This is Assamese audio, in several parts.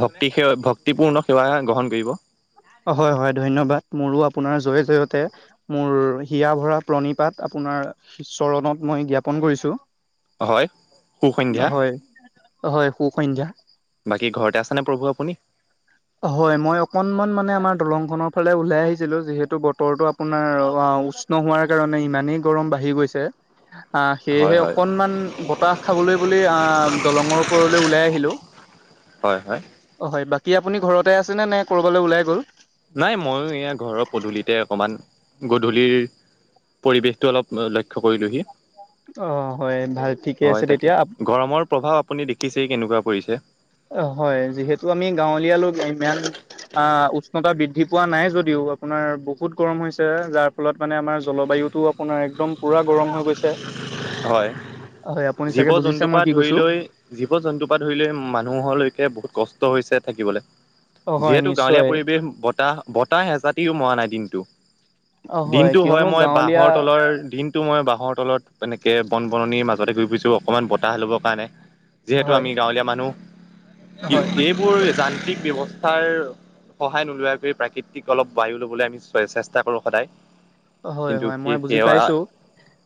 ভক্তি সে ভক্তিপূৰ্ণ সেৱা গ্ৰহণ কৰিব। হয়, হয়, ধন্যবাদ মোৰো আপোনাৰ জয় জয়তে মোৰ হিয়া ভৰা প্ৰণীপাত আপোনাৰ চৰণত মই জ্ঞাপন কৰিছো। হয়। সুসন্ধ্যা হয়, হয়, সুসন্ধা বাকী ঘৰতে আছনে প্ৰভু আপুনি হয় মই অকনমান মানে আমাৰ দলংখনৰ ফালে ওলাই আহিছিলো যিহেতু বতৰটো আপোনাৰ অ'। নোহোৱাৰ কাৰণে ইমানেই গৰম বাঢ়ি গৈছে আহ হয় সেয়েহে হয়। অকনমান বতাহ খাবলৈ বুলি দলঙৰ ওপৰলৈ ওলাই আহিলোঁ। হয়, হয়। অ', হয়, বাকী আপুনি ঘৰতে আছেনেে নে ক'বালৈ ওলাই গ'ল? নাই, ময়ো এয়া ঘৰৰ পধূলিতে অকণমান গধূলিৰ পৰিৱেশটো অলপ লক্ষ্য কৰিলোঁহি অ হয় ভাল ঠিকে আছে হয়, তাকে তেতিয়া গৰমৰ প্ৰভাৱ আপুনি দেখিছেই কেনেকুৱা পৰিছে অ', হয়, যিহেতু আমি গাঁৱলীয়া লোক ইমান অহ, উষ্ণতা বৃদ্ধি পোৱা নাই যদিও আপোনাৰ বহুত গৰম হৈছে যাৰ ফলত মানে, আমাৰ জলবায়ুতটো আপোনাৰ একদম পুৰা গৰম হৈ গৈছে হয়, হয় আপুনি চাগে জীৱ বুজিছে জন্তু মই পৰা কি ধৰি কৈছো লৈ জীৱ জন্তুৰ পৰা ধৰি লৈ মানুহলৈকে বহুত কষ্ট হৈছে থাকিবলৈ অ হয় যিহেতু, গাঁৱলীয়া নিশ্চয় পৰিৱেশ বতাহ বতাহ এছাতিও মৰা নাই দিনটো অ দিনটো হয়, কিয়নো মই গাঁৱলীয়া বাহৰ তলৰ দিন টো মই বাঁহৰ তলত এনেকে বন বননিৰ মাজতে গ পুছো অকনমান বতাহ হ ল'বৰ কাৰণে যিহেতু, হয় আমি গাঁৱলীয়া মানুহ হয় এইবোৰ যান্ত্ৰিক ব্যৱস্থাৰ সহায় নোলোৱাক, কৰি প্ৰাকৃতিক অলপ বায়ু ল'বলৈ আমি চেষ্টা কৰো সদায় হয়, কিন্তু হয়, মই সেই বুজি সেৱা পাইছো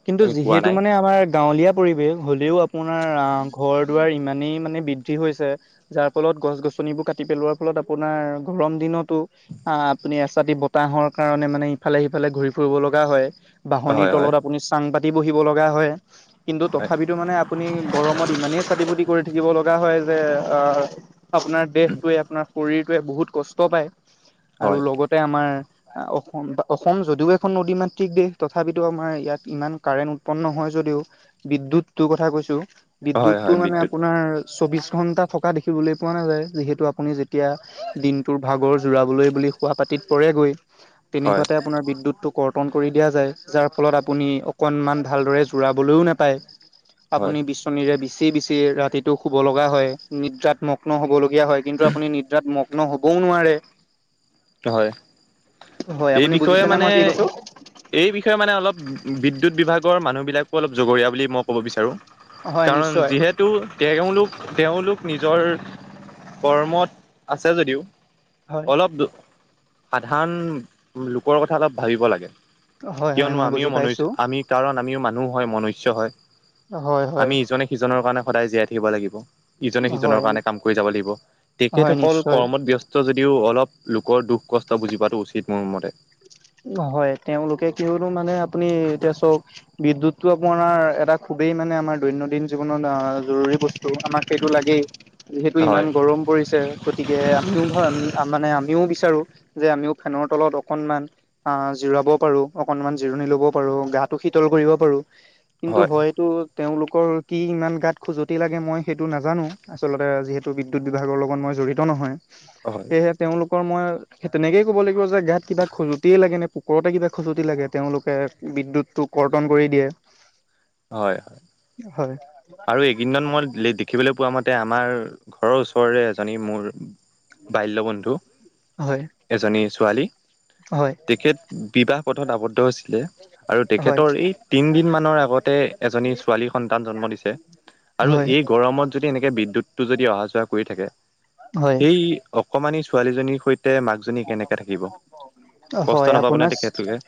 কিন্তু আমি পোৱা যিহেতু নাই মানে আমাৰ গাঁৱলীয়া পৰিৱেশ হ'লেও আপোনাৰ আহ ঘৰ দুৱাৰ ইমানেই মানে বৃদ্ধি হৈছে যাৰ ফলত গছ গছনিবোৰ কাটি পেলোৱাৰ ফলত আপোনাৰ গৰম দিনতো অহ, আপুনি এচাি বতাহৰ কাৰণে মানে ইফালে সিফালে ঘূৰি ফ ফুৰিব লগা হয়, বাহনিৰ হয় হয় তলত আপুনি চাং পাতি বহিব লগা হয় কিন্তু হয় তথাপিতো মানে আপুনি গৰমত ইমানেই চাতি ফুতি কৰি থাকিব লগা হয় যে আহ আপোনাৰ দেহটোৱে আপোনাৰ শৰীৰটোৱে বহুত কষ্ট পায় আৰু হয় লগত আমাৰ অসম, বা অসম যদিও এখন নদী মাত্ক দেশ তথাপিতো আমাৰ ইয়াত ইমান কাৰেণ্ট উৎপন্ন হয় যদিও বিদ্যুতটো কথা কৈছো হয় বিদ্ৎদ্তটো হয় মানে বিদ্যুৎ আপোনাৰ চৌবিশ ঘণ্টা থকা দেখিবলৈ পোৱা নাযায় যিহেতু আপুনি যে এতিয়া দিনটোৰ ভাগৰ জোৰাবলৈ বুলি শোৱা পাতিত পৰেগৈ হয় তেনেকুৱাতে আপাৰ বিদ্যুতটো কৰ্তন কৰি দিয়া যায়, যাৰ ফলত আপুনি অকনমান ভালদৰে জোৰাবলৈও নাপায় হয় আপুনি বিামীৰে বিচি বিচি ৰাতিটো শুব লগা হয় নিদ্ৰাত্মক মগ্ন হ'বলগীয়া হয়, কিন্তু আপুনি নিদ্ৰাত মগ্ন হবও নোৱাৰে হয়, হয় এই আপুনি বিষয়ে বুজিছেনে মানে মই কি কৈছো এই বিষয়ে মানে, অলপ বিদ্যয়ুৎ বিভাগৰ মানুহবিলাকো অলপ জগৰীয়া বুলি মই ক'ব বিচাৰো হয় কাৰণ নিশ্চয় যিহেতু, তেওঁলোক তেওঁলোক নিজৰ কৰ্মত আছে যদিও হয় অলপ সাধাৰণ, লোকৰ কথা অলপ ভাবিব লাগে হয় হয় কিয়নো মই আমিও বুজি মন পাইছো আমি কাৰণ, আমিও মানুহ হয় মনুষ্য হয় হয় হয় আমি ইজনে সিজনৰ কাৰণে সদায় জীয়াই থাকিব লাগিব ইজনে সিজনৰ হয় কাৰণে কাম কৰি যাব লাগিব, হয় তেখেতসকল নিশ্চয় কৰ্মত ব্যস্ত যদিও অলপ লোকৰ দুখ কষ্ট বুজিবাতটো উচিত, মোৰ মতে হয়, তেওঁলোকে কি হলো মানে আপুনি এতিয়া চওক বিদ্যুতটো আপোনাৰ এটা খুবেই মানে, আমাৰ দৈনন্দিন জীৱনত জৰুৰী বস্তু আমাৰ সেইটো লাগেই যিহেতু ইমান হয় গৰম গতিকে আমিও মানে, আমিও বিচাৰো যে আমিও ফেনৰ তলত অকনমান অ, জিৰাব পাৰো, অকনমান জিৰণি ল'ব পাৰো, গাটো শীতল কৰিব পাৰো কিন্তু হয় হয়তটো তেওঁলোকৰ কি ইমান গাত খুজতি লাগে মই সেইটো নাজানো, আচলতে যিহেতু বিভাগৰ লগত মই জিত হয় নহয়ে তেওঁলোকৰ মই তেনে ল কিবা খজুৱতিয়ে লাগে নে, পুকুৰতে কিবা খজুতি লাগে, তেওঁলোকে বিদুৎতটো কৰ্তন কৰি দিয়ে [inaudible] হয়, হয় হয়। আৰু এইকেইদজন মই দেখিবলৈ পোৱা মতে আমাৰ ঘৰৰ ওচৰৰে এজনী মোৰ বাল্যবন্ধু হয় এজনী ছোৱালী হয় তেখেত বিবাহ পথত আৱদ্ধ হৈছিলে আৰু হয় তেখেতৰ এই তিন দিন মানৰ আগতে এজনী ছোৱালী সন্তান জন্ম দিছে আৰু হয় এই গৰমত যদি এনেকে বিদ্যুৎটো যদি অহা যোৱা কৰি থাকে হয় সেই অকমানি ছোৱালীজনীৰ সৈতে মাকজনী কেনেকে থাকিব হয় কষ্ট নাপাবনে আপোনাৰ তেখেতলোকে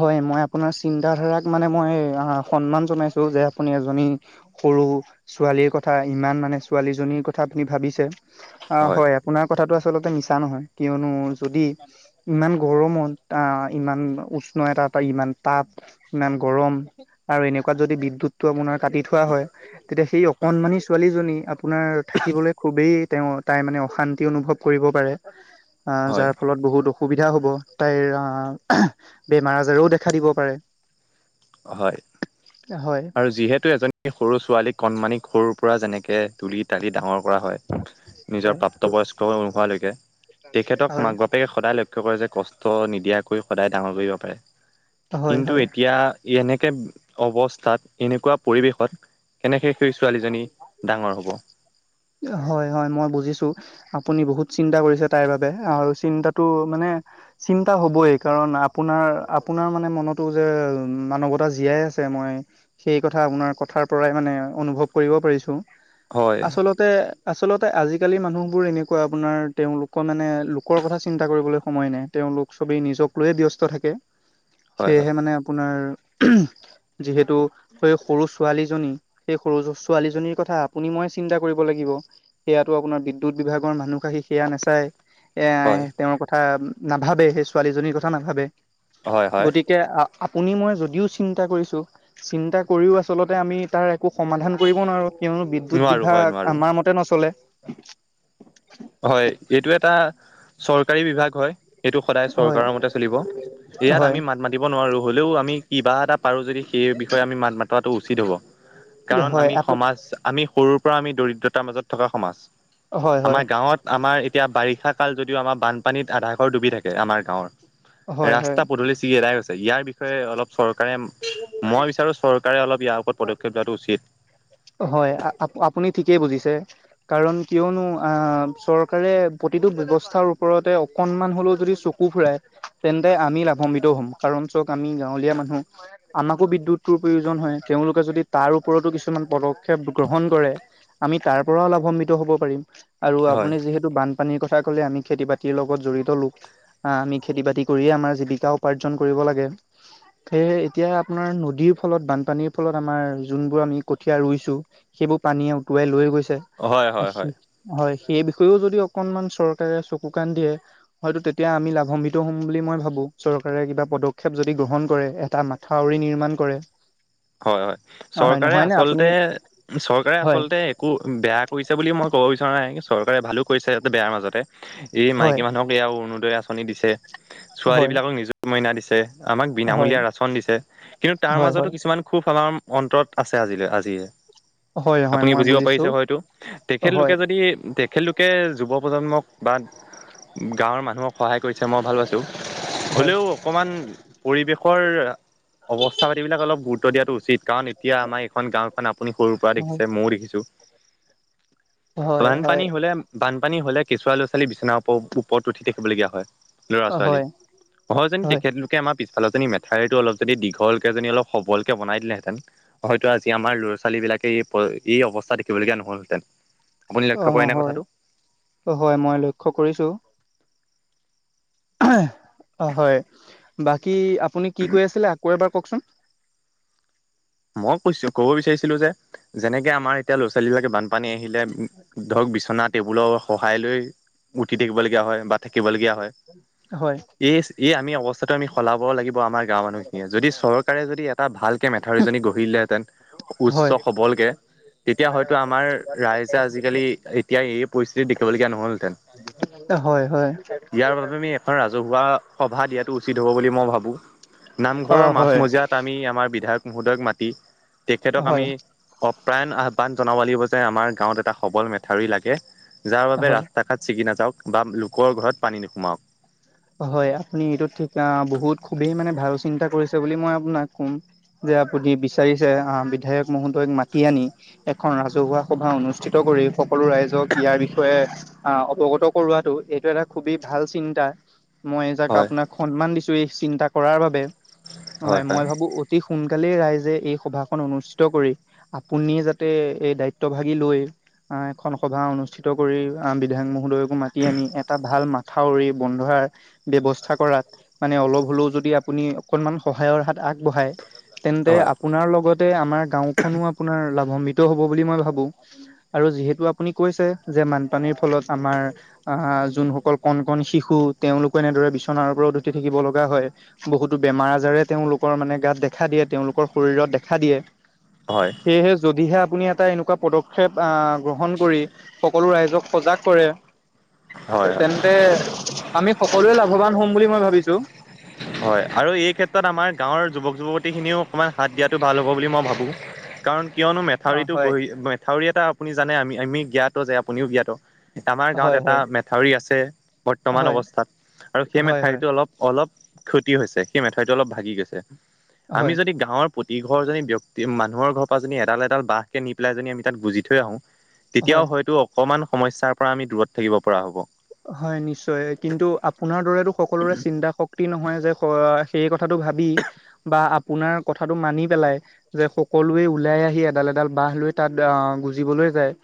হয় মই আপোনাৰ চিন্ত ধাৰাক মানে মই সন্মান জনাইছো যে আপুনি এজনী সৰু ছোৱালীৰ কথা ইমান মানে ছোৱালীজনীৰ কথা আপুনি ভাবিছে অ', হয় আপোনাৰ কথাটো আচলতে মিছা নহয় কিয়নো যদি ইমান গৰমত আহ ইমান উষ্ণ এতাৰ ইমান তাপ ইমান গৰম আৰু এনেকুৱা যদি বিদ্যুৎটো আপোনাৰ কাটি থোৱা হয় তেতিয়া সেই অকণমানি ছোৱালীজনী আপোনাৰ থাকিবলৈ খুবেই তেওঁ তাই মানে অশান্তি অনুভৱ কৰিব পাৰে আহ হয়, যাৰ ফলত বহুত অসুবিধা হ'ব তাইৰ বেমাৰ আজাৰও দেখা দিব পাৰে হয় হয় আৰু যিহেতু এজনি সৰু ছোৱালীক কণমানিক সৰুৰ পৰা যেনেকে তুলি তালি ডাঙৰ কৰা হয়। নিজৰ হয় প্ৰাপ্তবয়স্ক নোহোৱালৈকে তেখেতক হয় মাক বাপ পেকে সদায় লক্ষ্য কৰে যে কষ্ট নিদিয়াকৈ সদায় ডাঙৰ কৰিব পাৰে হয় কিন্তু হয় এতিয়া ই এনেকে অৱস্থাত এনেকুৱা পৰিৱেশত কেনেকৈ সেই ছোৱালীজনী ডাঙৰ হ'ব। হয় হয় মই বুজিছো। আপুনি বহুত চিন্তা কৰিছে তাইৰ বাবে আৰু চিন্তাটো মানে চিন্তা হ'বই কাৰণ আপোনাৰ আপোনাৰ মানে মনতো যে মানৱতা জীয়াই আছে মই সেই কথা আপোনাৰ কথাৰ পৰাই মানে অনুভৱ কৰিব পাৰিছো হয় আচলত তে আচলতে আজিকালি মানুহবোৰ এনেকুৱা আপোনাৰ তেওঁলোকৰ মানে লোকৰ কথা চিন্তা কৰিবলৈ সময় নাই। তেওঁলোক সবেই নিজক লৈয়ে ব্যস্ত থাকে হয় হয় সেয়েহে মানে আপোনাৰ যিহেতু স সৰু ছোৱালীজনী সেই সৰু ছোৱালীজনীৰ কথা আপুনি মই চিন্তা কৰিব লাগিব। সেয়াতটো আপোনাৰ বিদ্যুৎ বিভাগৰ মানুহ আহি সেয়া নাচায় এ হয় তেওঁৰ কথা নাভাবে সেই ছোৱালীজনীৰ কথা নাভাবে হয় হয় গতিকে আ আপুনি মই যদিও চিন্তা কৰিছোঁ চিন্তা কৰিও আচলতে আমি তাৰ একো সমাধান কৰিব নোৱাৰো কিয়নো বিদ্যুৎ নোৱাৰো হয় বিভাগ নোৱাৰো আমাৰ মতে নচলে হয় এইটো এটা চৰকাৰী বিভাগ হয়। সেইটো সদায় হয় চৰকাৰৰ মতে চলিব ইয়াত হয় আমি মাত মাতিব নোৱাৰোঁ হ'লেও আমি কিবা এটা পাৰোঁ যদি সেই বিষয়ে আমি মাত মাতাটো উচিত হ'ব কাৰণ হয় আমি আপু সমাজ আমি সৰুৰ পৰা আমি দৰিদ্ৰতাৰ মাজত থকা সমাজ। হয় হয়। আমাৰ গাঁৱত আমাৰ এতিয়া বাৰিষা কাল যদিও আমাৰ বানপানীত আধা ঘৰ ডুবি থাকে আমাৰ গাঁৱৰ হয় হয়। ৰাস্তা পদলি ছিগি এদাই গৈছে ইয়াৰ বিষয়ে অলপ চৰকাৰে মই বিচাৰো চৰকাৰে অলপ ইয়াৰ ওপৰত পদক্ষেপ লোৱাটো উচিত হয় আপুনি ঠিকেই বুজিছে। কাৰণ কিয়নো আ চৰকাৰে প্ৰতিটো ব্যৱস্থা ওপৰতে অকনমান হলেও যদি চকু কু ফুৰাই তেন্তে আমি লাভাম্বিটো হ'ম কাৰণ চক আমি গাঁৱলীয়া মানুহ আমাকো বিদ্যুৎৰ প্ৰয়োজন হয় তেওঁলোকে যদি তাৰ ওপৰতো কিছুমান পদক্ষেপ গ্ৰহণ কৰে আমি তাৰ পৰাও লাভাম্বিত হ'ব পাৰিম আৰু হয়। আপুনি যিহেত বানপানীৰ কথা ক'লে আমি খেতি বাতিৰ লগত জড়িত লোক আ আমি খেতি বাতি কৰিয়ে আমাৰ জীৱিকা উপাৰ্জন কৰিব লাগে সেয়ে এতিয়া আপোনাৰ নদীৰ ফলত বানপানীৰ ফলত আমাৰ যোনবোৰ আমি কঠীয়া ৰুইছো সেইবোৰ পানীয়ে উটুৱাই লৈ গৈছে। হয় হয় হয় হয় সেই বিষয়েও যদি অকনমান চৰকাৰে চকু কাণ দিয়ে। হয়তো তেতিয়া আমি লাভাম্বিত হম বুলি মই ভাবো চৰকাৰে কিবা পদক্ষেপ যদি গ্ৰহণ কৰে এটা মান থাউৰ নিৰ্মাণ কৰে। হয়, হয়, হয় চৰকাৰে নহয় নে আপুনি আচলতে, চৰকাৰে হয় আচলতে একো বেয়া কৰিছে বুলি মই ক'ব বিচৰা নাই। চৰকাৰে ভালো কৰিছে। ইতে বোৰ মাজতে এই হয় মাইকী মানুহক সয়াও অৰুণোদয় আঁচনি দিছে। হয় ছোৱালীবিলাকক নিযুত মইনা দিছে। আমাক হয় বিনামূলীয়া ৰাচন দিছে কিন্তু তাৰ হয় মাজতো হয় কিছুমান সুফালৰ অন্তত আছে আজিলৈ আজিয়ে। হয় হয় আপুনি মই বুজিব বুজিছো পাৰিছে হয়তো তেখেতলোকে হয় যদি তেখেতক কে যুৱ প্ৰজন্মক বা গাঁৱৰ মানুহক সহায় কৰিছে মই ভাল পাইছোঁ। হয় হ'লেও অকমান পৰিৱেশৰ অৱস্থা পাতিবিলাক অলপ বু গুৰুত্ব দিয়াটো উচিত কাৰণ এতিয়া আমাৰ এইখন গাঁওখন আপুনি সৰুৰ পৰা হয় দেখিছে ময়ো দেখিছোঁ। হয় হয় হয় বানপানী হলে বানপানী হ'লে কেঁচুৱা লৈ পেলাই বিচনাৰ ওপৰত উঠি থাকিবলগীয়া হয়। ল'ৰা, ছোৱালী অহ যে তেখেত কে আমাৰ পিছালৰজনী মেঠাৰিটো অলপ যদি দীঘল কেজনী অল সবলকে বন দিলেহেঁতেন। হয়তো আজি আমাৰ ল'ৰা, ছোৱালী বিলাকে এই এই অৱস্থা দেখিবলগীয়া নহল হহেতেন। অ, হয়, অ, হয় মই লৈখো কৰিছো। অ, হয় বাকী আপুনি কি কৈ আছিলে আকৌ এবাৰ কওকচোন? মই কৈছো ক'ব বিচাৰিছিলো যেনেকে আমাৰ এতিয়া ল'ৰা চোৱালী বিলাকে বান পানী আহিলে ধৰক বিচনাত টেবুলৰ সহায় লৈ উঠি থাকিবলগীয়া হয় বা থাকিবলগীয়া হয়। হয়। এই এই আমি অৱস্থাতটো আমি সলাব লাগিব আমাৰ গাঁওৰ মানুহখিনিয়ে যদি চৰকাৰে যদি এটা ভাল কে ম আঠউীজনী গঢ়িলেহেতেন উচ্চ হয় সৱলকে তেতিয়া হয়তো আমাৰ ৰাইজে আজিকালি এতিয়া এই পৰিস্থিতি দেখিবলগীয়া নহ'ল। হয়। হয়, হয়। ইয়াৰ বাবে আমি এখন ৰাজহুৱা সভা দিয়াটো উচিত হ'ব বুলি মই ভাবোঁ। অ নামঘৰৰ হয় মাছমজিয়াত আমি আমাৰ বিধায়ক মহোদয়ক মাতি তেখেতক হয় আমি অপ্ৰায়ণ আহ্বান জনাব লাগিব যে আমাৰ গাঁৱত এটা সবল মেথাউৰি লাগে যাৰ বাবে হয় ৰাস্তা শাষাত ছিকি নাওক বা লোকৰ ঘৰত পানী নোসোমাও হয় আপুনি এইটোত ঠিক বহুত খুবেই মানে ভাল চিন্তা কৰিছে বুলি মই আপোনাক কম। যে আপুনি বিচাৰিছে আহ, বিধায়ক মহোদয়ক মাতি আনি এখন ৰাজহুৱা সভা অনুষ্ঠিত কৰি সকলো ৰাইজক ইয়াৰ বিষয়ে আহ অৱগত কৰোৱাতটো এইটো এটা খুবেই ভাল চিন্তা। মই যাক হয় আপোনাক সন্মান দিছো এই চিন্তা কৰাৰ বাবে হয় মই ভাবো অতি সোনকালেই ৰাইজে এই সভাখন অনুষ্ঠিত কৰি আপুনিয় যাতে এই দায়িত্ব ভাগি লৈ আহ, এখন সভা অনুষ্ঠিত কৰি আহ, বিধায়ক মহোদয় মাতি আনি এটা ভাল মাথাউৰি বন্ধোৱাৰ ব্যৱস্থা কৰাত মানে অলপ হ'লেও যদি আপুনি অকনমান সহায়ৰ হাত আগবঢ়ায়। তেন্তে হয় আপোনাৰ লগতে আমাৰ গাওখনো আপোনাৰ লাভান্বিত হ'ব বুলি মই ভাবো। আৰু যিহেতু আপুনি কৈছে যে বানপানীৰ ফলত আমাৰ আহ, যোনসকল কণ, কণ শিশু তেওঁলোকো এনেদৰে বিচনাৰ ওপৰত উতি থাকিব লগা হয়। বহুতো বেমাৰ আজাৰে তেওঁলোকৰ মানে গাত দেখা দিয়ে তেওঁলোকৰ শৰীৰত দেখা দিয়ে। হয়। সেয়েহে যদিহে আপুনি এটা এনেকুৱা পদক্ষেপ গ্ৰহণ কৰি সকলো ৰাইজক সজাগ কৰে। হয় তেন্তে আমি সকলোৱে লাভৱান হম বুলি মই ভাবিছোঁ। হয়, আৰু এই ক্ষেত্ৰত আমাৰ গাঁৱৰ যুৱক-যুৱতীখিনিও অকণমান হাত দিয়াটো ভাল হ'ব বুলি মই ভাবোঁ। কাৰণ কিয়নো অ মেথাউৰিতটো হয় গঢ়ি মেথাউৰি এটা আপুনি জানে আমি আমি জ্ঞাত যে, আপুনিও জ্ঞাত। আমাৰ গাঁৱত হয় এটা হয় মেথাউৰি আছে। বৰ্তমান হয় অৱস্থাত আৰু সেই হয় হয় মেথাউৰিটো অলপ অলপ ক্ষতি হৈছে। সেই মেথাউৰিটো অলপ ভাগি গৈছে। হয় আমি যদি গাঁৱৰ প্ৰতি ঘৰ যদি ব্যক্তি মানুহৰ ঘৰ পৰা যদি এডাল এডাল বাহঁকে নি পেলাই যদি আমি তাত গুজি থৈ আহোঁ, হয়। তেতিয়াও হয়তো অকণমান সমস্যাৰ পৰা আমি দূৰত থাকিব পৰা হ'ব। হয় নিশ্চয়। কিন্তু আপোনাৰ দৰেতটো সকলোৰে চিন্তা শক্তি নহয় যে [unintelligible] সেই কথাটো ভাবি বা আপোনাৰ কথাটো মানি পেলাই যে সকলোৱে ওলাই আহি এডাল-এডাল বাঁহ লৈ তাত আহ গুজিবলৈ যায়।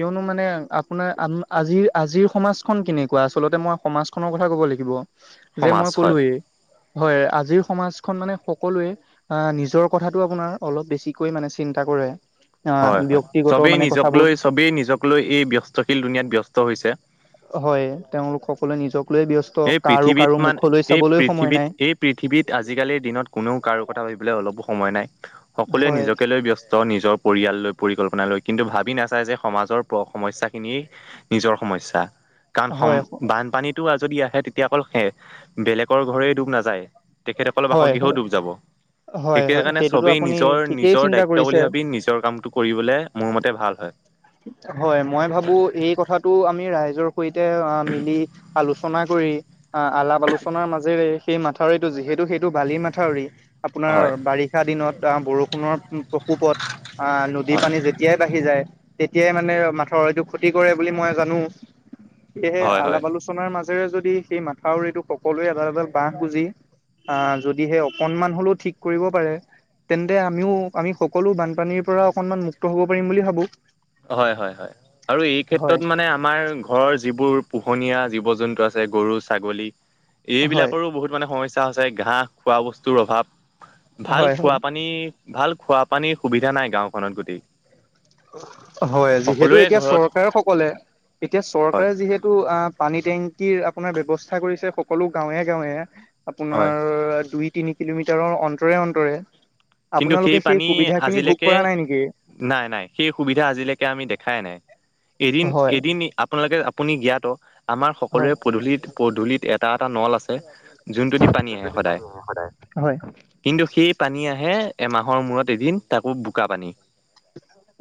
কিয়নো মানে আপোনাৰ আ আজিৰ আজিৰ সমাজ খন কেনেকুৱা, আচলতে মই সমাজখনৰ কথা ক'ব লাগিব যে সমাজ মই হয়। কলোৱেই। হয়, আজিৰ সমাজখন মানে সকলোৱে এ' নিজৰ কথাতটো আপোনাৰ অলপ বেছিকৈ মানে চিন্তা কৰে। আহ হয় হয় ব্যক্তিগত চবেই মানে নিজক কথাবোৰ লৈ, চবেই নিজক লৈ, এই ব্যস্তশীল দুুনিয়াত ব্যস্ত হৈছে। হয় তেওঁলোক সকলোৱে নিজক লৈ ব্যস্ত, এই পৃথিৱীত কাৰো-কাৰো মান মুখলৈ এই চাবলৈ সময় পৃথিৱীত নাই। এই পৃথিৱীত আজিকালিৰ দিনত কোননেও কাৰো কথা ভাবিবলৈ অলপো সময় নাই। সকলোৱে হয় নিজকে লৈ ব্যস্ত নিজ পৰিয়াল লৈ, পৰিকল্পনা লৈ কিন্তু ভাবি নাচায় যে, সমাজৰ প সমস্যাখিনি নিজৰ সমস্যা। কাৰণ সম হয় বানপানীটো যদি আহে তেতিয়া অকল সে বেলেগৰ ঘৰে ডুব নাযায়। তেখেতসকলৰ হয় বাসগৃহও হয় ডুব যাব। হয় [unintelligible] হয় কাৰণে সেইটোতো চবেই আপুনি ঠিকেই নিজৰ-নিজৰ চিন্তা দায়িত্ব কৰিছে বুলি ভাবি নিজৰ কামটো কৰিবলৈ মোৰ মতে, ভাল হয়। হয়। মই ভাবো, এই কথাটো আমি ৰাইজৰ সৈতে অ' মিলি আলোচনা কৰি, আলাপ আলোচনাৰ মাজেৰে সেই মাথাউৰি যিহেতু, সেইটো বালি মাথাউৰি আপোনাৰ হয় বাৰিষা দিনত আহ বৰষুণৰ প্ৰকোপত অ' নদীৰ হয় পানী যে তেতিয়াই বাঢ়ি যায়। তেতিয়াই মানে, মাথৰটো ক্ষতি কৰে বুলি মই জানো। সেয়েহে হয় হয় আলাপ আলোচনাৰ মাজেৰে যদি, সেই মাথাউৰিটো সকলোৱে এডাল-এডাল বাঁহ হ গুজি আহ যদি সেই অকণমান হ'লেও ঠিক কৰিব পাৰে। তেন্তে আমিও, আমি সকলো বানপানীৰ পৰা অকনমান মুক্ত হ'ব পাৰিম বুলি ভাবোঁ। হয় হয় হয় আৰু এই ক্ষেত্ৰত মানে আমাৰ ঘৰৰ যিবোৰ পোহনীয়া জীৱ-জন্তু আছে গৰু-ছাগলী হয় এইবিলাকৰো বহুত মানে সমস্যা হৈছে। ঘাঁহ খোৱা বস্তুৰ অভাৱ ভাল হয় হয় খোৱা পানী ভাল খোৱা পানীৰ সুবিধা নাই। গাঁওখনত গোটেই হয়। যিহেতু সকলোৰে এতিয়া ঘৰত চৰকাৰ সকলে এতিয়া হয় চৰকাৰে যিহেতু অ' পানী টেংকিৰ আপোনাৰ ব্যয়ৱস্থা কৰিছে। সকলো গাঁৱে-গাঁৱে, হয় আপোনাৰ দুই-তিনি কিলোমিটাৰৰ অন্তৰে অন্তৰে, কিন্তু আপোনালোকে সেই পানী সুবিধা খিনি ভোগ আজিলৈকে কৰা নাই নেকি? নাই নাই সেই সুবিধা আজিলৈকে আমি দেখাই নাই। এদিন হয় এদিন আপোনালোকে আপুনি জ্ঞাত। আমাৰ সকলোৰে হয় পদূলিত পদূলিত এটা এটা নল আছে। যোনটোদি পানী আহে সদায়। হয় কিন্তু সেই পানী আহে, এমাহৰ মূৰত এদিন তাকো বোকা পানী।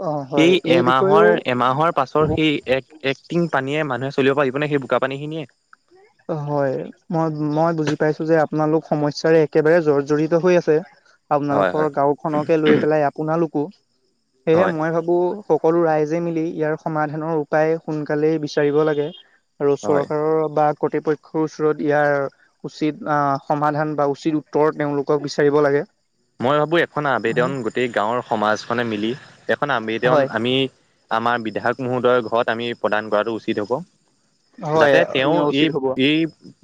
অ হয় সেই এই বিষয়েও এমাহৰ এমাহৰ পাছৰ সেই এক এক্টিং পানীয়ে মানুহে চলিব পাৰিবনে সেই বোকা পীখিনিয়ে? হয়। মই মই বুজি পাইছোঁ যে, আপোনালোক সমস্যৰে একেবাৰে জৰ্জৰিত হৈ আছে। হয় আপোনালোকৰ হয় গাওঁখনকে লৈ পেলাই আপোনালোকো সেয়হে হয় মই ভাবোঁ বোৰ সকলো ৰাইজে মিলি ইয়াৰ সমাধানৰ উপায় সোনকালেই বিচাৰিব লাগে। আৰু হয় চৰকাৰৰ বা কৰ্তৃপক্ষৰ ওচৰত ইয়াৰ উচিত আ, সমাধান বা উচিত উত্তৰ তেওঁলোকক বিচাৰিব লাগে। মই ভাবোঁ এখন আবেদন হয় গোটেই গাঁৱৰ সমাজখনে মিলি এখন আবেদন হয় আমি আমাৰ বিধায়ক মহোদয়ৰ ঘৰত আমি প্ৰদান কৰাটো উচিত হ'ব। হয় যাতে তেওঁ এই উচিত হ'ব এই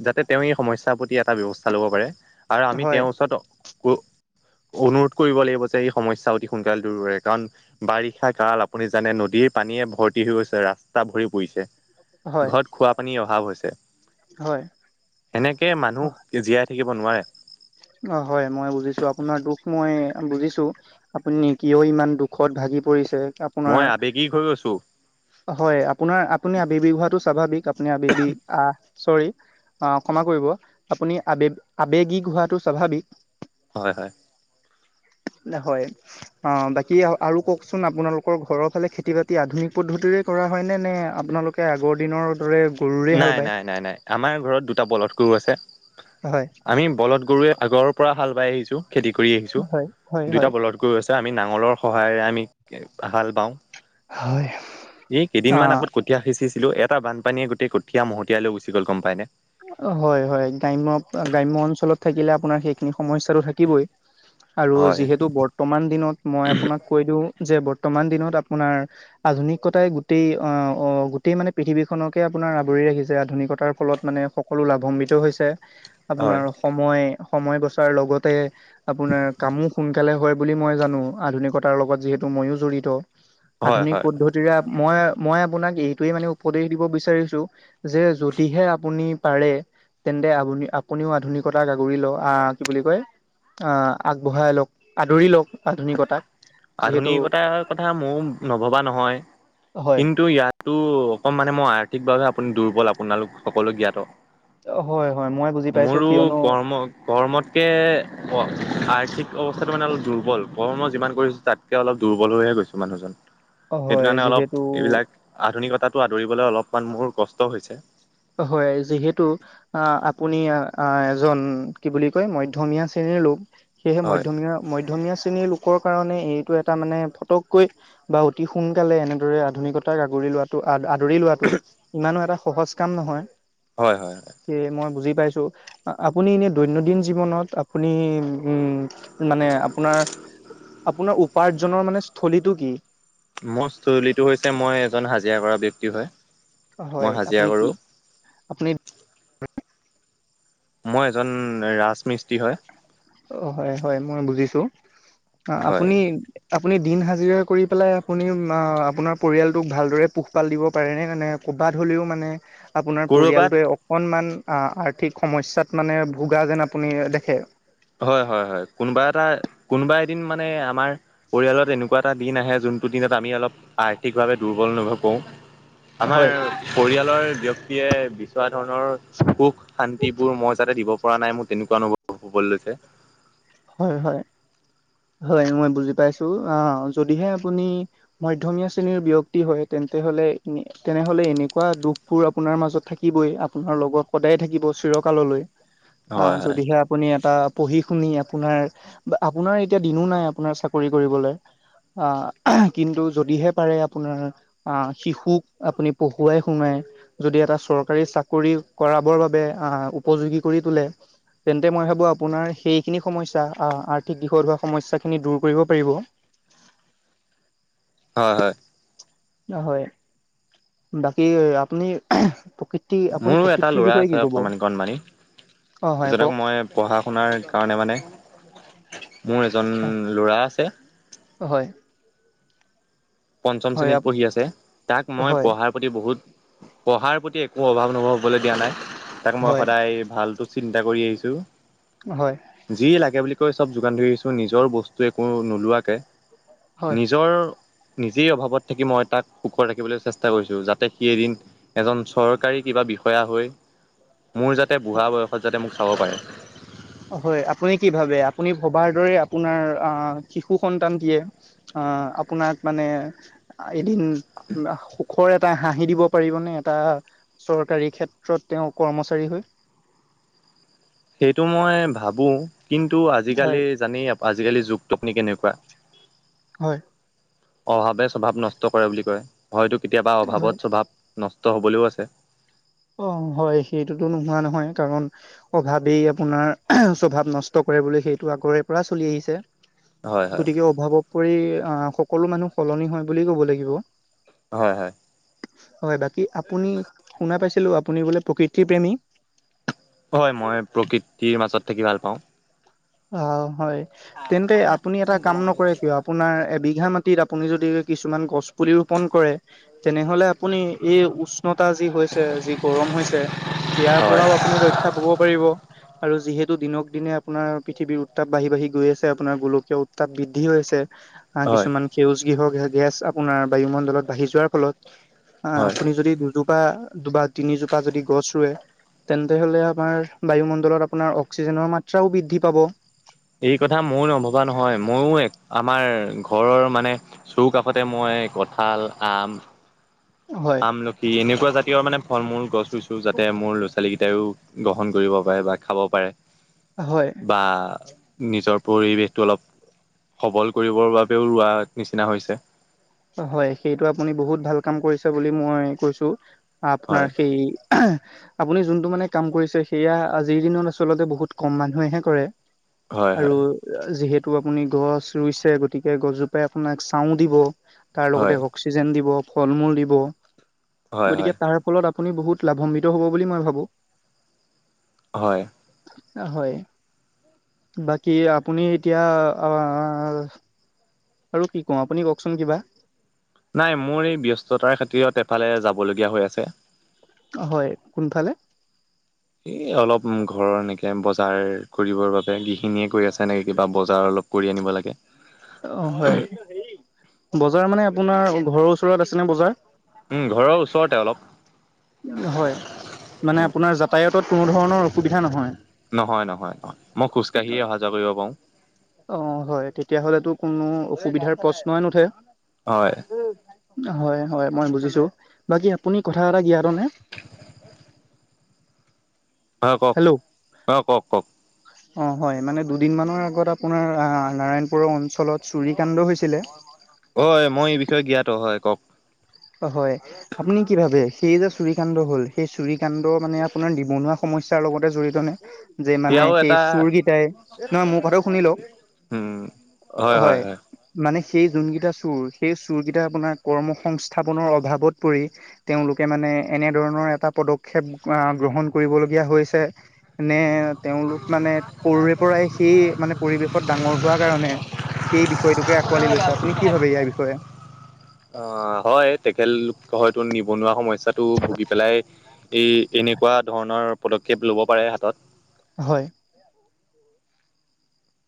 যাতে তেওঁ এই সমস্যাৰ প্ৰতি এটা ব্যৱস্থা ল'ব পাৰে আৰু আমি হয় তেওঁৰ ওচৰত অনুৰোধ কৰিব লাগিব যে এই সমস্যা অতি সোনকালে দূৰ কৰেৰে কাৰণ বাৰিষা কাল আপুনি জানে নদীৰ পানীয়ে ভৰ্তি হৈ গৈছে, ৰাস্তা ভৰি পৰিছে। হয় ঘৰত খোৱাপানীৰ অভাৱ হৈছে। হয়। এনেকৈ মানুহ জীয়াই থাকিব নোৱাৰে। অ' হয় মই বুজিছোঁ। আপোনাৰ দুখ মই বুজিছোঁ। আপুনি কিয় ইমান দুখত ভাগি পৰিছে। আপোনাৰ মই আবেগিক হৈ গৈছোঁ। হয় আপোনাৰ আপুনি আববিক হোৱাটো স্বাভাৱিক, আপুনি আবেবিক আ, চৰি। আ, ক্ষমা কৰিব। আপুনি আবেগ আবেগিক হোৱাটো স্বাভাৱিক। হয় হয়। নহয়। অ' বাকী আৰু কওকচোন আপোনালোকৰ ঘৰৰফালে খেতি বাতি আধুনিক পদ্ধতিৰে কৰা হয় নে নে আপোনালোক তে আগৰ দিনৰ দৰে গৰুৰে হাল নাই বায় নাই নাই নাই, আমাৰ ঘৰত দুটা বলধ গৰু আছে, হয় আমি বলধ গৰুৰে আগৰ পৰা হাল বাই আহিছোঁ, খেতি কৰি আহিছোঁ, হয় হয় দুইটা হয় বলত গৰু আছে, আমি নাঙলৰ সহায়ৰে আমি হাল বাওঁ। হয় এই কেইদিনমান আগত অ কঠীয়া সিঁচিছিলোঁ, এটা বানপানীয়ে গোট গোটেই কঠীয়া মহতিয়ালৈ গুচি গ'ল গ'ম পাইনে? হয় হয়, গ্ৰাম্য গ্ৰাম্য অঞ্চলত থাকিলে আপোনাৰ সেইখিনি সমস্যাটো থাকিবই। আৰু হয় যিহেতু বৰ বৰ্তমান দিনত মই আপোনাক কৈ দিওঁ যে বৰ্তমান দিনত আপোনাৰ আধুনিকতাই গোটেই আ, অ' গোটেই মানে পৃথিৱীখনকে আপোনাৰ আৱৰি ৰাখিছে আধুনিকতাৰ ফলত মানে সকলো লাভান্বিত হৈছে, আপোনাৰ হয় সময় সময় বচাৰ লগতে আপোনাৰ কামো সোনকালে হয় বুলি মই জানো, আধুনিকতাৰ লগত যিহেতু ময়ো জড়িত। হয় আধুনিক হয় পদ্ধতিৰে মই মই আপোনাক এইটোৱে মানে উপদেশ দিব বিচাৰিছোঁ যে যদিহে আপুনি পাৰে তেন্তে আ-আপুনিও আধুনিকতাক আগুৰি ল' আ, কি বুলি কয় আ, আগবঢ়াই লওক, আদৰি লওক আধুনিকতাক। যিহেতু আধুনিকতাৰ কথা ময়ো নভবা নহয় হয় কিন্তু ইয়াত টো অকণ মানে মই আৰ্থিকভাৱে আপুনি দুৰ্বল আপোনালোক সকলো জ্ঞাত। অ' হয় হয় মই বুজি পাইছোঁ মোৰো কিয়নো কৰ্ম কৰ্মতকে অ' আৰ্থিক অৱস্থাটো মানে অলপ দুৰ্বল। কৰ্ম যিমান কৰি তাতকৈ অলপ দুৰ্বল হৈহে গৈছোঁ মানুহজন, সেইটো হয় কাৰণে অলপ যিহেতু এইবিলাক আধুনিকতাটো আদৰিবলৈ অলপমান মোৰ কষ্ট হৈছে। হয় যিহেতু আ, আপুনি এজন কি বুলি কয় মৈধ্যমিয়া শ্ৰেণীৰ লোক। সেয়েহে হয় মধ্যমীয়া মধ্যমীয়া শ্ৰেণীৰ লোকৰ কাৰণে এইটো এটা মানে ফটককৈ বা অতি সোনকালে এনেদৰে আধুনিকতাক আগুৰি লোৱাটো ধৰি লোৱাটো ইমানো এটা সহজ কাম নহয়। হয় হয় হয়। সেয়ে মই বুজি পাইছোঁ। আপুনি এনে দৈনন্দিন জীৱনত আপুনি উম, মানে আপোনাৰ আপোনাৰ উপাৰ্জনৰ মানে স্থলীটো কি? মোৰ স্থলীটো হৈছে মই এজন হাজিৰা কৰা ব্যক্তি হয়। হয়, মই হাজিৰা আপুনি কি কৰো আপনি। মই এজন ৰাজমিস্ত্ৰী হয়। অ, হয় হয় মই বুজিছো অ, হয়। আপুনি। আপুনি দিন হাজিৰা কৰি পেলাই আপুনি আপোনাৰ পৰিয়ালটোক ভালদৰে পোহপাল দিব পাৰে নে মানে। ক'ৰবাত হ'লেও মানে। আপোনাৰ কৰবাত পৰিয়ালটোৱে অকণমান আৰ্থিক সমস্যাত মানে ভোগা যেন আপুনি দেখে। হয় হয় হয় কোনোবা এটা কোনোবা এদিন মানে আমাৰ। পৰিয়ালত এনেকুৱা এটা দিন আহে যোনটো দিনত আমি অলপ আৰ্থিকভাৱে দুৰ্বল অনুভৱ কৰো। আমাৰ হয় পৰিয়ালৰ ব্য্ক্তিয়ে বিশ। থা, ধৰণৰ সুখ শান্তিবোৰ মই যাতে দিব পৰা নাই মোৰ তেনেকুৱা অনুভৱ হ'বলৈ লৈছো। [unintelligible] হয় হয় হয় মই বুজি পাইছো আহ যদিহে আপুনি। মধ্যমীয়া শ্ৰেণীৰ ব্য্য়ক্তি হয় তেন্তে হলে তেনে হ'লে এনেকুৱা দুখ। ক, ফোৰ আপোনাৰ মাজত থাকিবই আপোনাৰ লগত সদায় থাকিব চিৰকাললৈ। অ, হয় হয় যদিহে আপুনি এটা পঢ়ি শুনি। আপোনাৰ বা আপোনাৰ এতিয়া দিনো নাই আপোনাৰ চাকৰি কৰিবলৈ। অ, কিন্তু যদিহে পাৰে আপোনাৰ। অ, শিশুক আপুনি পঢ়ুৱাই শুনাই। যদি এটা চৰকাৰী চাকৰি কৰাবৰ বাবে আহ উপযোগী কৰি তোলে। তেন্তে মই ভাবো আপোনাৰ সেইখিনি সমস্যা আৰ্থিক দিশত হোৱা সমস্যা খিনি দূৰ কৰিব পাৰিব। হয় হয়। হয় বাকী আপনি প্ৰকৃত। মোৰো এটা ল'ৰা আছে অকণমান কণমানী অ হয় সেইজনক কওক মই। পঢ়া শুনাৰ কাৰণে মানে মোৰ এজন ল'ৰা আছে। হয়। পঞ্চম হয় শ্ৰেণীত পঢ়ি আছে তাক মই হয় পঢ়াৰ। বহুত পঢ়াৰ প্ৰতি একো অভাৱ অনুভৱ হবলে দিয়া নাই তাক মই হয় সদায় ভালটো। চিন্তা কৰি আহিছোঁৱেই। হয়। যি লাগে বুলি কৈ চ'ব যোগান ধৰি আহিছো নিজৰ বস্তু একো নোলোৱাকে। হয় নিজৰ নিজেই অভাৱত থাকি মই তাক সুখত ৰাখিবলৈ চেষ্টা কৰিছো যাতে সি এদিন। এজন চৰকাৰী কিবা বিষয়া হৈ মোৰ যাতে বুঢ়া বয়সত যাতে মোক চাব পাৰে। হয়, আপুনি কি ভাবে আপুনি ভবাৰ দৰে আপোনাৰ আহ শিশু সন্তানটিয়ে। আহ, আপোনাক মানে এদিন সুখৰ এটা হাঁহি দিব পাৰিবনে এটা চৰকাৰী ক্ষেত্ৰত তেওঁ কৰ্মচাৰী হৈ। সেইটো মই ভাবোঁ কিন্তু হয় আজিকালি জানি আজিকালি যুগটো কেনেকুৱা। হয়। অভাৱে স্বভাৱ নষ্ট কৰে বুলি কয় হয়তো কেতিয়াবা হয় অভাৱত স্বভাৱে। নষ্ট হ'বলৈও আছে। অ, হয় সেইটোতো নোহোৱা নহয় কাৰণ। অভাৱেই আপোনাৰ স্বভাৱ নষ্ট কৰে বুলি সেইটো আগৰে পৰা চলি আহিছে। হয় হয় গতিকে অভাৱত পৰি আহ সকলো মানুহ সলনি হয় বুলি ক'ব লাগিব। হয় হয়। হয় বাকী আপুনি শুনা পাইছিলো আপুনি বোলে প্ৰকৃতি প্ৰেমী। হয় মই প্ৰকৃতিৰ মাজত থাকি ভাল পাওঁ। অ, হয় তেন্তে আপুনি এটা কাম নকৰে কিয় আপোনাৰ এবিঘামান। আপুনি যদি কিছুমান গছপুলি ৰোপন কৰে তেনেহলে আপুনি এই উচ্ছ। উষ্ণতা যি হৈছে যি গৰম হৈছে ইয়াৰ হয় পৰাও আপুনি ৰক্ষা। পাব পাৰিব আৰু যিহেতু দিনক দিনে আপোনাৰ। পৃথিৱীৰ উত্তাপ বাঢ়ি বাঢ়ি গৈ আছে আপোনাৰ গোলকীয় উত্তাপ বৃদ্ধি হৈ আছে আহ, হয় কিছুমান। সেউজ গৃহ গেছ আপোনাৰ বায়ুমণ্ডলত বাঢ়ি যোৱাৰ ফলত, আহ হয় আপুনি যদি দুজোপা দুবা তিনিজোপা যদি গছ ৰুৱে তেন্তে হ'লে আমাৰ বায়ুমণ্ডলত আপোনাৰ অক্সিজেনৰ মাত্ৰাও বৃদ্ধি পাব। এই কথা মইও নভবা নহয়। ময়ো এক আমাৰ ঘৰৰ মানে চৌ কাষতে মই কঁঠাল, আম [inaudible] আমলখী এনেকুৱা জাতীয় মানে ফল মুল গছ ৰুইছো যাতে মোৰ ল'ৰা-ছোৱালীকেইটাও গ্ৰহণ কৰিব পাৰে বা খাব পাৰে। হয়। বা নিজৰ পৰিৱেশটো অলপ সবল কৰিবৰ বাবেও ৰোৱাৰ নিচিনা হৈছে। হয় সেইটো আপুনি বহুত ভাল কাম কৰিছে বুলি মই কৈছো। আপোনাৰ হয় সেই আপুনি যোনটো মানে কাম কৰিছে সেয়া আজিৰ দিনত আচলতে বহুত কম মানুহেহে কৰে। হয় আৰু হয় যিহেতু আপুনি গছ ৰুইছে গতিকে গছজোপাই আপোনাক চাও দিব। তাৰ লগতে হয় অক্সিজেন দিব, ফল মূল দিব, হয় হয় গতিকে তাৰ ফলত আপুনি বহুত লাভম্বিত হ'ব বুলি মই ভাবোঁ। হয়। হয় বাকী আপুনি এতিয়া অ আৰু কি কওঁ? আপুনি কওকচোন কিবা। নাই মোৰ এই ব্যস্ততাৰ খাতিৰত এফালে যাবলগীয়া হৈ আছে। হয় কোনফালে? এই অলপ ঘৰৰ এনেকে বজাৰ কৰিবৰ বাবে গিহিনিয়ে কৈ আছে নেকি কিবা বজাৰ অলপ কৰি আনিব লাগে। অ হয় বজাৰ মানে আপোনাৰ ঘৰৰ ওচৰত আছেনে বজাৰ? উ ঘৰৰ ওচৰতে অলপ। হয় মানে আপোনাৰ যাতায়াতত কোনো ধৰণৰ অসুবিধা নহয়? নহয় নহয় অ মই খোজকাঢ়িয়ে অহা যোৱা কৰিব পাৰোঁ। অ হয় তেতিয়াহ'লেতো কোনো অসুবিধাৰ প্ৰশ্নই নুঠে। হয় হয় হয় মই বুজিছো। বাকী আপুনি কথা এটা জ্ঞাত নে? অঁ কওক অঁ কওক কওক। [inaudible] অঁ হয় মানে দুদিনমানৰ আগত আপোনাৰ নাৰায়ণপুৰৰ অঞ্চলত চুৰিকাণ্ড হৈছিলে। অ মই এই বিষয়ে জ্ঞাতো হয় কওক। হয় আপুনি কি ভাবে? সেই যে চুৰিকাণ্ড হ'ল, সেই চুৰিকাানণ্ড মানে আপোনাৰ নিবনুৱা সমস্যাৰ লগতে জড়িত নে? যে মানে সেয়াও সেই এটা চোৰকেইটাই নহয় মোৰ কথাও শুনি লওক উম হয়। মানে সেই যোনকেইটা চোৰ সেই চোৰ কেইটা আপোনাৰ কৰ্ম সংস্থাপনৰ অভাৱত পৰি তেওঁলোকে মানে এনেধৰণৰ এটা পদক্ষেপ গ্ৰহণ কৰিবলগীয়া হৈছে। নে তেওঁলোক মানে সৰুৰে পৰাই সেই মানে পৰিৱেশত ডাঙৰ হোৱা কাৰণে সেই বিষয়টোকে আঁকোৱালি লৈছে। আপুনি কি ভাবে ইয়াৰ বিষয়ে? অ হয় তেখেতেলোক হয়তো নিবনুৱা সমস্যাটো ভুগি পেলাই এই এনেকুৱা ধৰণৰ পদক্ষেপ ল'ব পাৰে হাতত। হয়।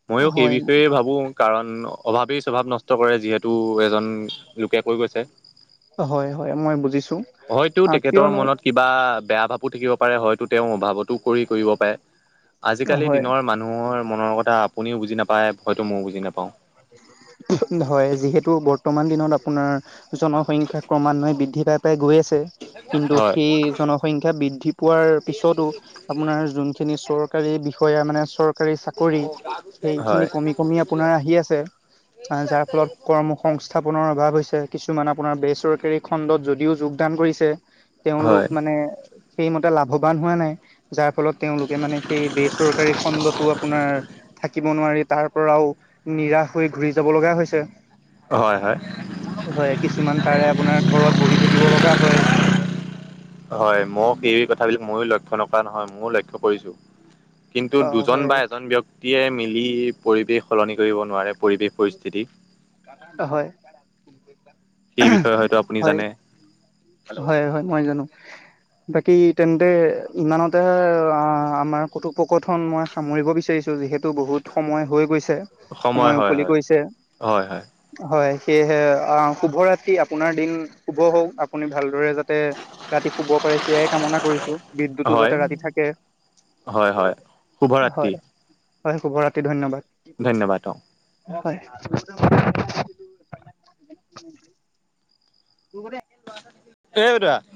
ময়ো সেই হয় বিষয়ে ভাবো কাৰণ অভাৱেই স্বভাৱ নষ্ট কৰে যিহেতু এজন লোকে কৈ গৈছে। হয় হয় মই বুজিছোঁ। হয়তো তেখেতৰ মনত কিবা বেয়া ভাৱো থাকিব পাৰে, হয়তো তেওঁৰ অভাৱত তো কৰি কৰিব পাৰে। আজি কালি হয় দিনৰ মানু্হ মানুহৰ মনৰ কথা আপুনিও বুজি নাপায়, হয়তো ময়ো বুজি নাপাওঁ। হয় যিহেতু বৰ্তমান দিনত আপোনাৰ জনসংখ্যা ক্ৰমান্বয়ে বৃদ্ধি পাই পাই গৈ আছে কিন্তু হয় সেই জনসংখ্যা বৃদ্ধি পোৱাৰ পিছতো আপোনাৰ যোনখিনি চৰ চকাৰী বিষয়া মানে, চৰকাৰী চাকৰি হয় সেইখিনি কমি কমি আপোনাৰ আহি আছে যাৰ ফলত কৰ্ম সংস্থাপনৰ অভাৱ হৈছে, কিছুমান আপোনাৰ বেচৰকাৰী খণ্ডত যদিও যোগদান কৰিছে হয় তেওঁলোক মানে, সেইমতে লাভৱান হোৱা নাই যাৰ ফলত তেওঁলোকে মানে, সেই বেচৰকাৰী খণ্ডতো আপোনাৰ থাকিব নোৱাৰি তাৰ পৰাও নিৰাশ হৈ ঘূৰি যাব লগা হৈছে হয়, হয় হয়, কিছুমান তাৰে আপোনাৰ ঘৰত বহি থাকিব লগা হয় হয়, মোক এই কথাবিলাক ময়ো লক্ষ্য নকৰা নহয় ময়ো লক্ষ্য কৰিছো কিন্তু অ দুজন হয় বা এজন ব্যক্তি গটয়াই মিলি পৰিৱেশ সলনি কৰিব নোৱাৰে পৰিৱেশ পৰিস্থিতি হয়, সেই বিষয়ে হয়তো আপুনি হয় জানে হয়, হয়, মই জানো বাকী তেন্তে ইমানতে আমাৰ কতুপকথন মই সামৰিব বিচাৰিছো, যিহেতু বহুত সময় হৈ গৈছে সময় হয় উকলি হয় কৰিছে হয় হয়, সেয়েহে অ', শুভ ৰাতি আপোনাৰ দিন শুভ হওক আপুনি ভালদৰে যাতে ৰাতি শুব পাৰে, সেয়াই কামনা কৰিছো, হয় বিদ্যুতো যাতে হয় ৰাতি থাকে হয়, হয়, শুভ ৰাতি হয় হয়, শুভ ৰাতি ধন্যবাদ ধন্যবাদ অ হয়, - [unintelligible] [unintelligible]